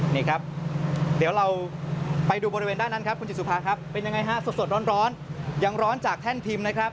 นี่ครับเดี๋ยวเราไปดูบริเวณด้านนั้นครับคุณจิตสุภาครับเป็นยังไงฮะสดร้อนยังร้อนจากแท่นพิมพ์นะครับ